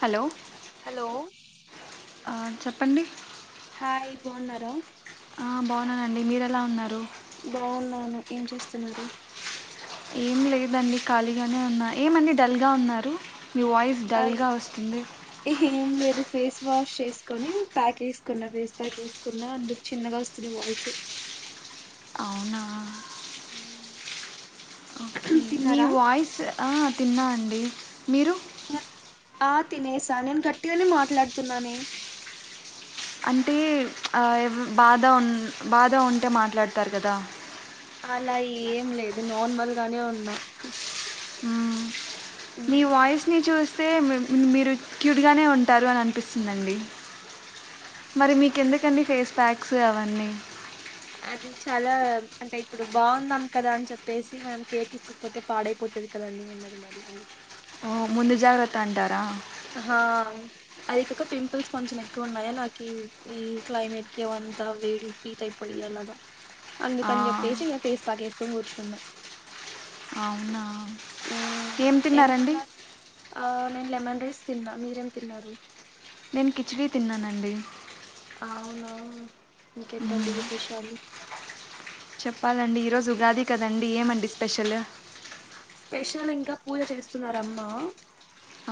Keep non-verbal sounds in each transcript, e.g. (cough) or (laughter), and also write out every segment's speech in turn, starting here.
Hello hello ఆ చెప్పండి hi బన్నార ఆ బాగున్నానండి మీరెలా ఉన్నారు. బావున్నాను ఏం చేస్తున్నారు ఏం లేదండి ఖాళీగానే ఉన్నా ఏమండి డల్ గా ఉన్నారు. మీ వాయిస్ అయ్ డల్గా ఒస్తుంది ఏం లేదు ఫేస్ వాష్ చేస్కొని ప్యాక్ ఏస్కున్న ఫేస్ ప్యాక్ ఏస్కున్న అందుక్ చిన్నగా ఓస్తుంది వాయిస్ అవ్నా హ్మ్ మీ వాయిస్ ఆ తిన్నా అండి మీరు ఆ తినేస నేన్ గట్టిగనే మాట్లాడ్తున్నానే అంటె ఆ బాధ హ్మ్ బాధ ఉంటే మాట్లాడ్తారు కదా అల ఏం లేదు నార్మల్ గానే ఉన్నా మ్మ్. హు సే మీరు క్యూట్గానే ఉంటారు అని అన్పిస్తుందండి మరి మీకెందుకండి ఫేస్ ప్యాక్స్ అవన్నీ ఇది చాల అంటే ఇప్పుడు బాగున్నాం కదా అని చెప్పేసి మనం కేర్ తీస్కోక్పోతే పాడైపోతది కదండి ఉన్నది మరి అందుకే ఓ ముందు జాగ్రత్త అంటారా హ అదికొక పింపుల్స్ కొంచెం ఎక్కువ్ ఉన్నాయి అని నాకి ఈ క్లైమేట్ కి అ అంత వేడి హీట్ అయిపోయి అలాగ అందుకని ఆ, జెప్పేసి ఇంగ ఫేస్ ప్యాక్ ఏస్కొన్ కూర్చున్న అవ్నా ఏం తిన్నారండి నేన్ లెమన్ రైస్ తిన్నా మీరేం తిన్నారు నేన్ కిచ్డీ తిన్నానండి అవ్నా ఇంకేంటండి మ్మ్. విశేషాలు చెప్పాలండి ఈరోజ్ ఉగాది కదండి ఏమండి స్పెషల్ స్పెషల్ ఇంక పూజ చేస్తున్నారమ్మా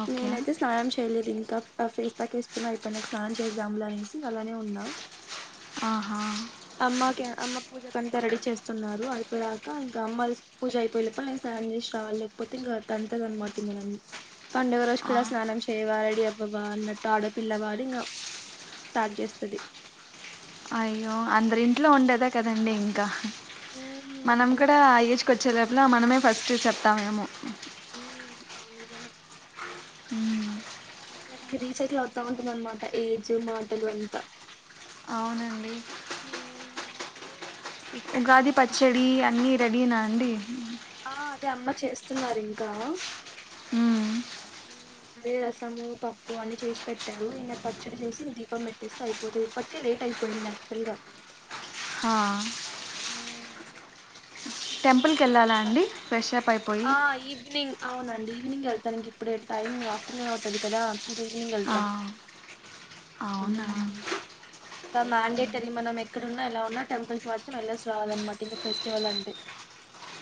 ఓకే నేనైతే స్నానం చే చేయ్లేద్ ఇంకా ఫేస్ ప్యాక్ ఏస్కున్నా అయిపోయినాక్ స్నానం చేస్దాంలే అనేసి అలానే ఉన్నా ఆహా అమ్మాకి అమ్మ పూజ కంతా రెడీ చేస్తున్నారు అయిపోయాక ఇంకా అమ్మల్స్ పూజ అయిపోయి లోపల నేన్ స్నా స్నానం చేశ్రావాలి లేక్పోతే ఇంగ తంతాదాన్మాట ఇంగ నన్ని పండగ రోజ్ ఆ, కూడ స్నానం చేయ్వా రెడీ అవ్వవా అన్నట్ ఆడపిల్లవ అని ఇంగ స్టార్ట్ చేస్తది అయో అందర్ ఇంట్లో ఉండేదే కదండీ ఇంక మనం మ్మ్ కూడ ఆ ఎజ్ కోచ్ చ్చేపలో మనమే ఫస్ట్ చెప్తామేమో హ్మ్ అవ్న్ నిజమే మ్మ్. రీసైకిల్ అవ్తా ఉంటుందన్మాట ఏజ్ మాటలు అంత అవునండి హ్మ్ ఉగాది పచ్చడి అన్నీ రెడీనా అండి ఆ అదే అమ్మ చేస్తున్నారు ఇంకా మ్మ్. దే రసము పప్పు అన్ని చేసి పెట్టారు ఇంగ పచ్చడి చేసి దీపం పెట్టేస్తే అయిపోతది ఇప్పటికే లేట్ అ అయిపోయింది యాక్చువల్ గ హ హ్మ్ టెంపుల్ క ఎల్లల అండి ఫ్రెష్ అప్ పై ఆ ఈవ్నింగ్ ఔనండి ఈవ్నింగెళ్తాన్ ఇంకిప్పుడే టైం ఆఫ్టర్నూనౌతది కదా ఇంక ఈవ్నింగెళ్తాం. ఔనా. ఇంక మ్యాండేటరీ మనమెక్కడున్నా ఎలా ఉన్నా టెంపుల్కి మాత్రం వెళ్లేస్ రావాలన్మాట ఇంక ఫెస్టివలంటె.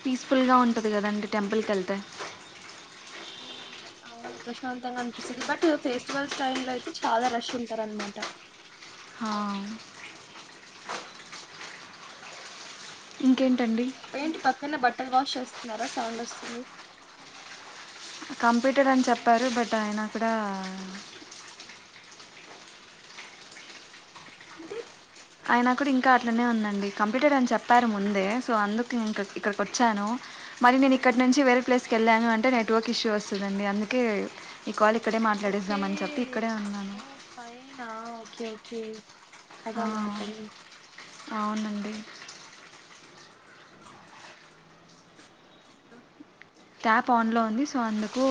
పీస్ఫుల్గా ఉంటది గదండి టెంపుల్కెళ్తె మ్మ్. అవును ప్రశాంతంగ అనిపిస్తది బట్ ఫెస్టివల్స్ టైమ్ ల అయితే చాలా రష్ ఉంటారు అనమాట హా ఇంకేంటండి కన్నా బట్టల్ వాష్ చేస్తున్నార సౌండ్ వస్తుంది కంపీటెడ్ అన్ చెప్పారు బట్ ఐనా కుడా ఏంటి. ఐనా కూడింకా అట్లనే ఉందండి కంపీటెడ్ అన్ చెప్పారు ముందే సో అందుకింక ఇక్కడికొచ్చాను. మరీ నేన్ ఇక్కడ్ నుంచి వేరే ప్లేస్కెళ్ళాను అంటే నెట్వర్కిష్యూ వస్సుదండి అందుకే ఇ కాలిక్కడే ఓకే మాట్లాడిద్దామని చెప్పి ఇక్కడే ఉన్నాను. ఒకె ఒకె అదా మ్యాటర్. ఔనండి. ట్యాపాన్ లో ఉంది సొ అందుకూ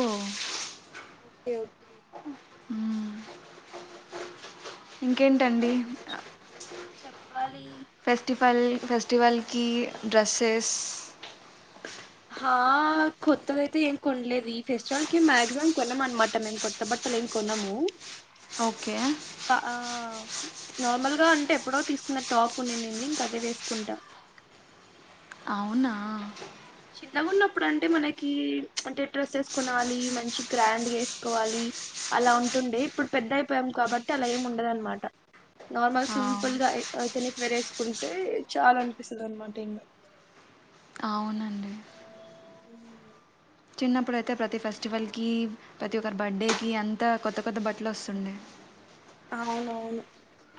ఒకె ఒకె. ఇంకేంటండి ఏంటండి విశేషాలు చెప్పాలీ. ఫల్ ఫెస్టివల్కీ డ్రస్సెస్ హా కొత్తదైతే ఏం కొన్లేదు ఈ ఫెస్టివల్కి మాక్సిమం కొనమన్మాట మేమ్ కొత్త బట్ త్తలేమ్ కొనమూ ఓకే ప ఆ నార్మల్గా అంటె ఎప్పుడో తీసుకున్న టాపున్నిన్నింది ఇంక అదే వేస్కుంట. ఔనా. చిన్నగున్నప్పుడు అంటె మనకీ ప్చ్ అంటె డ్రెస్సెస్ కొనాలి మంచి గ్రాండ్గేసుకోవాలి. అలా ఉంటుండె ఇప్పుడ్ పెద్దైపోయాం కాబట్టి అలా ఏముండదన్మాట. నార్మల్ ఆ, సింపుల్గా ఎ అతనిక్వేరేస్కుంటే చాలన్పిస్తదన్మాటింగ. ఔనన్ మ్ ఊమ్. చిన్నప్పుడైతె ప్రతి ఫెస్టివల్కీ ప్రతి ఒక్కర్ బడ్డే కీ అంతా కొత్త కొత్త బట్లొస్తుండె. ఔనవ్ను.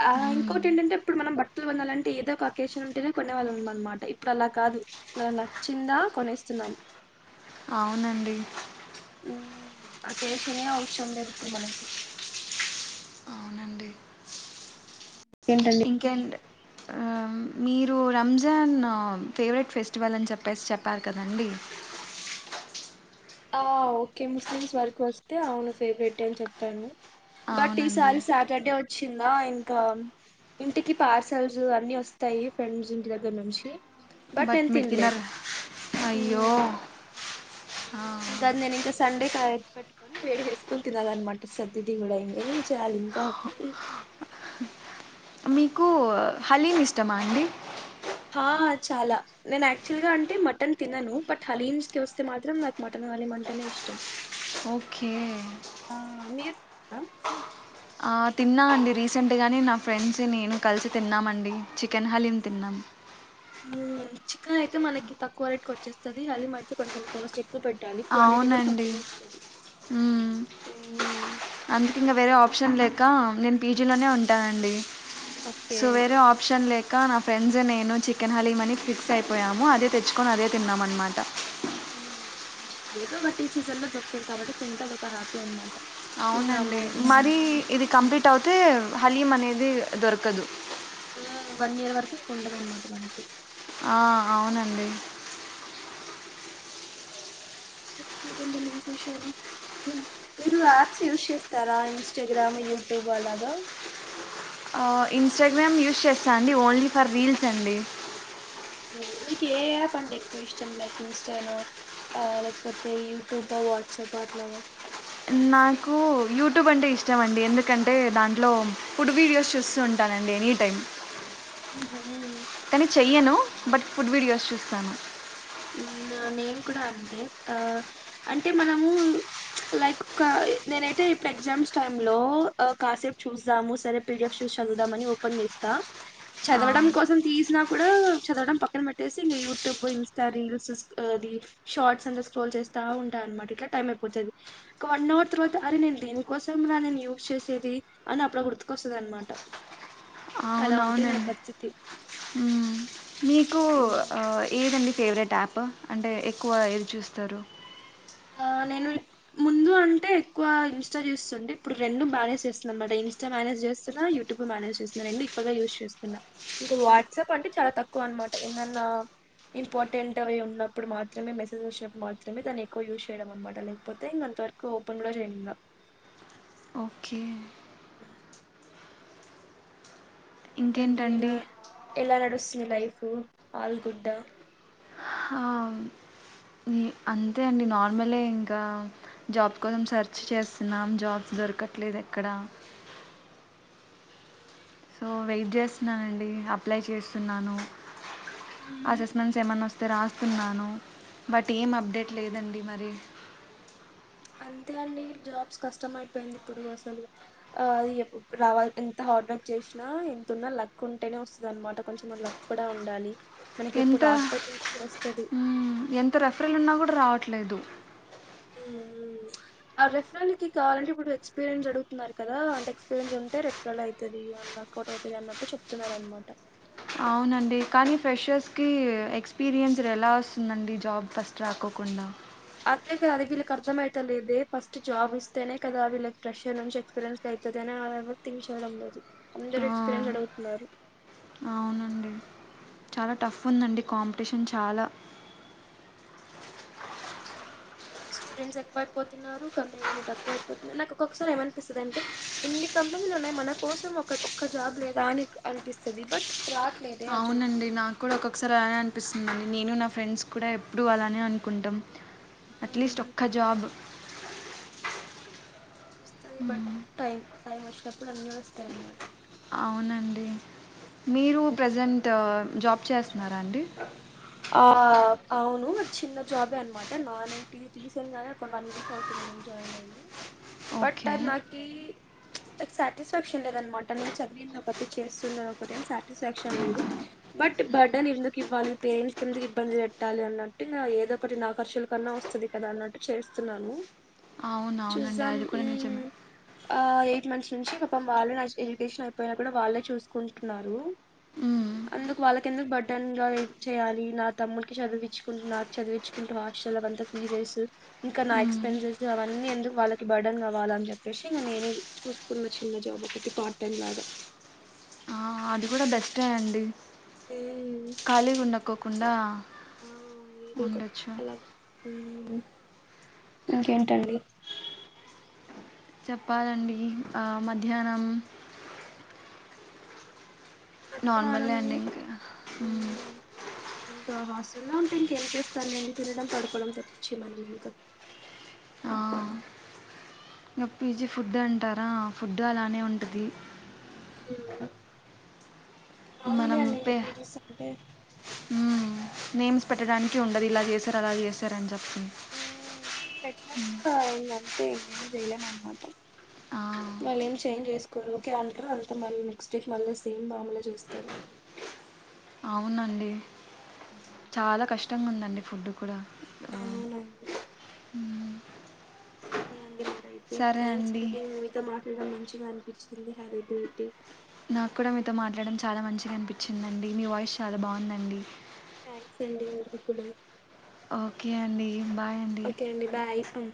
ఆ ఇంకోటేంటంటే అప్పుడ్ మనం బట్లు కొనాలంటే ఏదో ఒక అకేషనుంటేనె కొనేవాళ్ళమమ్ అన్మాట ఇప్పుడలా కాదు. న నచ్చిందా కొనేస్తున్నామ్. ఔనండీ. ఊమ్ అకేషనే అవ్శంలేదిప్పుడి మనకి. అవునండి ఇంగేంటండి ఇంకేంటి విశేషాలు. ఆ, ఆమ్ ఫేవరెట్ ఫెస్టివలన్ చెప్పేస్ చెప్పార్ కదండి. ఆ ఓకే ముస్లిమ్స్ వర్కొస్తే ఔను ఫేవ్రెట్టే అన్ చెప్పాను బట్ట్ ఈ అవునండి సారి సాటడ్డే వచ్చిందా ఇంక ఇంటికి పార్సల్జు అన్ని వొస్తాయి ఫ్రెండ్జింటి దగ్గర్ నుంచి బట్ నేన్ మీరు తిన్లేను తినరు అయ్యో ఊమ్. ఆ. ఇంకద్ నేనింక సండే కాయెత్తి పెట్ట్కొని వేడి జేస్కొని తినాలన్మాట సద్దిది గూడా ఇంగ ఏంచేయాలి. ఇంకా మ్ మీకూ హలీమిష్టమా అండి. హా చాలా నేన్యాక్చువల్గా అంటె మటన్ తినను బట్ హాలీమ్స్కి వస్తే మాత్రం నాకు మటన హాలీమంటనే ఇష్టం. ఓకే. ఆ మీరు తింటారా ఆ తిన్నా అండి రీసెంట్గానె నా ఫ్రెండ్స్ నేను కల్సి తిన్నామండి చ్ కెన్ హలీం తిన్నాం. ఊమ్ చికనైతే మనకి తక్కువ రేట్కొచ్చేస్తది హాలీమైతే కొంచెం కాస్ట్ ఎక్ (unintelligible) పెట్టాలి క్వాంటిటి గూడ్ తక్కువే వస్తది. ఊమ్ అందుకింగ వేరే ఆప్షన్ లే కా నేను పీజీలోనే ఉంటానండి ఓకే ఓకే. సో వేరే ఆప్షన్ లేక్ ఇంకా నా ఫ్రెండ్స్ నేను చికెన్ హలీమ్ అనీ ఫిక్స్ అయిపోయాము అదే తెచ్చుకొని అదే తిన్నాం అనమాట హ్మ్ ఏదో ఒటి సీజన్ లో దొరుకుతది కాబట్టి తింటె అది ఒక హ్యాపీ అనమాట తిన్నాము ఔనండి అనేసి మరీ ఇది కంప్లీటవ్తే హలీమనేది దొర్కదు. ఉమ్ వన్నియర్ వరకింకుడదన్మాట మన్కి. ఆ ఔనండి. ఇంకేంటండి విశేషాలు మీరు యాప్స్ యూస్ చేస్తారా ఇన్స్టాగ్రామ్ యూట్యూబ్ అలాగ ఆ ఇన్స్టాగ్రామ్ యూస్ చేస్తండి ఓన్లీ ఫర్ రీల్స్ అండి మిక్ ఎ యాప్ అంటే ఎక్కువిష్టం లైక్ ఇన్స్టానా లేకపోతే యూట్యూబ్ బా వట్సప్ అట్లాగ నాకు యూట్యూబ్ అంటే ఇష్టమండి ఎందుకంటే దాంట్లో ఫుడ్ వీడియోస్ చూస్తూ ఉంటాన అండి ఎనీ టైం ఉహ్మ కనీ చెయ్యను బట్ ఫుడ్ వీడియోస్ చూస్తాను హ్మ్ నేను కూడ అంతే ఆ అంటే మనము ప్చ్ లైక్ ఒక నేనైతే ఇప్పుడు ఎగ్జామ్స్ టైమ్లో కాసేపు చూద్దాము సరే పీడిఎఫ్ చూచదుదామని ఓపెన్ చేస్త త ఆ, చదవడం కోసం తీసినా కూడా చదవడం పక్కన పెట్టేసి ఇంగ యూట్యూబ్ ఇన్స్టిట ట రీల్స్ అ షార్ట్స్ అంత స్క్రోల్ చేస్తా ఉంటనమాట ఇట్ల టైమైపోతది కానో తర్వాత అరే నేను దీనికోసం నా నేను యూజ్ చేసేది అని అప్పుడ గుర్తుకొస్తుందనమాట ఔనవునండి హ్మ్ మీకు ఉమ్. ఆ ఏదండి ఫేవరెట్ యాప్ అంటే ఎక్కువ ఏది చూస్తారు ఆ నేను ముందు అంటే ఎక్కువ ఇన్స్ట చూస్తుండే ఇప్పుడు రెండు మేనేజ్ చేస్తుంది అన్నమాట ఇన్స్టా మేనేజ్ చేస్తున్నా యూట్యూబ్ మనేజ్ చేస్తున్నాండి ఎక్కువగా యూజ్ చేస్తుకున్నా ఇంకా వాట్సాప్ అంటే చాల తక్కువనమాట ఏందన్నా ఇంపార్టెంట్ అవి ఉన్నప్పుడు మాత్రమే మెసేజ్ వచ్చినప్పుడు మాత్రమే దాన్ యూస్ చేయడం అనమాట లేకపోతే ఇంకంతవరకు ఓపెన్ గుడ చేయనింగా ఓకే హ్మ్ ఇంకేంటండి ఎలా ఎలా నడుస్తుంది లైఫ్ ఆల్ గుడ్డా ఆ, ఈ- అంతే అండి నార్మలే ఇంకా జాబ్ కోసం సెర్చ్ చేస్తున్నాం జాబ్స్ దొరకట్లేదే ఎక్కడ సో వెట్ చేస్తున్నానండి అప్లై చేస్తున్నాను అసెస్మెంట్స్ ఎమన్న వస్తే రా రాస్తున్నాను బట్ ఏం అప్డేట్ లేదండి మరి అంతే అండి జాబ్స్ కష్టం అయిపోయింది ఇప్పుడు అసలు అది రావాల ఎంత హార్డ్ వర్క్ ర్క్ చ్చేసినా ఎంతతున్నా లక్ ఉంటేనే ఓస్తుంది అనమాట కొంచెం లక్కూడ ఉండాలి మనకి ఎప్పుడు ఎంత రాసి పెట్టుంటే అప్పుడు వస్తది హ్మ్ ఎంత రెఫరెల్ ఉన్నా కూడ రావట్లేదు ఆ రెఫరల్కి కావాలంటే ఇప్పుడు ఎక్స్పీరియన్స్ అడ్గుతున్నారు కదా అంట ఎస్పీరియన్స్ ఉంటే రెఫరలైతది వర్కౌట్ అవుతది అన్నట్టు చెప్తున్నారన్నమాట ఔనండి కానీ ఫ్రెషర్స్కి ఎక్స్పీరియన్స్ ఎలా ఓస్తుందండి జాబ్ ఫస్ట్ రాకొకు కుండా అదే కద అది వీళ్ళకి అర్థమైతలేదే ఫస్ట్ జాబ్ ఇస్తేనే కద వీళ్ళ ప్రెషర్ నుంచి ఎక్స్పీరియన్స్గా అవుతది ఆ ఎవర్థిక్ చేయడం లేదు అందరూ ఆ, ఎక్స్పీరియన్స్ అడ్గుతున్నారు అవునండి చాల టఫ్ ఉందండి కాంప్టీషన్ చాల స్టూడెంట్స్ ఎక్కువైపోతున్నారు కంపెనీలేమో తక్కువైపోతున్నారు నాకు ఒక్కొసారి ఏమనిపిస్తదంటే ఎన్నిక కంపెనీలు ఉన్నాయి మన కోసం ఒక ఒక్క జాబ్ లేదా అని అనిపిస్తుంది బట్ రాట్లేదు ఆ జాబ్ ఔనండి నాకు కూడ ఒక్కొక్కసారి అలానే అనిపిస్తుంది అండి నేను నా ఫ్రెండ్స్ కూడా ఎప్పుడు అలానే అన్కుంటాం అట్లెస్ట్ ఒక్క జాబ్ ఓస్తాయి బట్ టైం టైం ఓచ్చినప్పుడు అన్నీ ఓస్తాయన్నమాట. అవునండి మీరు ప్రజెంట్ జాబ్ చేస్తున్నారండి? ఆ అవును చిన్న జాబే అన్మాట నాన్ ఐటి రీసెంట్గానే ఒక వన్ వీక్ అవుతుంద జాయిన్ అయ్యి బట్ ఓకే. అద్ నాకీ ప్చ్ సాటిస్ఫాక్షన్ లేద అనమాట నేను చదివింది ఒకటి చేస్తున్న ఒకటి అని సాటిస్ఫాక్షన్ లేదు బట్ బర్డెన్ ఎందుకు ఇవ్వాలి పేరెంట్స్ కిందకి ఇబ్బంది పెట్టాలి అన్నట్టు ఇంగ ఏదో ఒకటి నా ఖర్చుల కన్నా వస్తది కదా అన్నట్టు చేస్తున్నాను ఆ చూసాం మ్ ఆ ఎయి మంత్స్ నుంచి పాపం వాళ్ళే నా ఎడ్యుకేషన్ అయిపోయి కూడా వాళ్ళే చూస్కుంటున్నారు. హ్మ్. అందుకు వాళ్ళకెందుక్ బడ్డన్గ ఇద్ చెయ్యాలి. నా తమ్ముడ్కి చదివిచ్చుకుంట నాక్ చదివిచ్చుకుంటు హాస్టల్లకు అంతా ఫీజెస్ ఇంకా నా హ్మ్. ఎక్స్పెన్సెస్ అవన్నీ ఎందుకు వాళ్ళకి బర్డన్ కావాలన్ చెప్పేసి ఇగ నేనే చూస్కున్న చిన్న జాబ్ ఒకటి పార్ట్ టైం లాగా ఆ అది కూడా బెస్టే అండి. ఏ కోకుండా ఆ ఏదో ఒకటి అలాగ మ్ ఇంకేంటండి చెప్పాలండి ఆ మధ్యాహ్నం మధ్యాహ్నం నార్మలే అండి ఇంకా. హ్మ్. మ్ ఇంకా హాస్ స్టల్ ఉంటే ఇంకేం చేస్తాన్ లెండి తినడం, పడుకోడం తపిచ్చి మనం ఇంక ఆ! ఇంక పిజీ ఫుడ్ అంటారా ఫుడ్డు అలానే ఉంటది. మ్ మామూలే మనం అండి ఇంకా పే పిజీస్ అంటే హ్మ్. నేమ్స్ పెట్టడానికి ఉండది ఇలా చేశార్ అలా చేశార్ అన్ చె పెట్టినప్పుడు అయిందంతే ఇంగ ఏం చెయలేం అన్నమాట. ఆ! వాళ్లేం చేంజ్ చేస్కోరు ఒకే అంటరు అంతా మళ్ళీ నెక్స్ట్ డేకి మళ్ళీ సేమ్ మ్మామూలే చేస్తరు. అవునండి చాలా కష్టంగుందండి ఫుడ్ కూడా ఆ! అవునండి. సరే అండి మరైతే థ్యాంక్స్ అండి మీతో మాట్లాడడం మం మంచిగా అన్పిచ్చింది హరి డేటివ్ నాక్ కూడా మీతో మాట్లాడం చాలా మంచిగా అన్పిచ్చిందండి మీ వాయిస్ చాలా బాగుందండి. థ్యాంక్స్ అండి మీది కూడా ఓకే అండి బాయ్ అండి. Okay bye